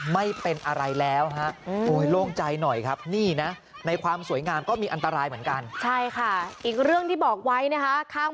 เหล่าใจหน่อยครับนี่นะในความสวยงามก็มีอันตรายเหมือนกัน